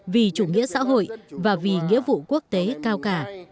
vì chủ nghĩa xã hội và vì nghĩa vụ quốc tế cao cả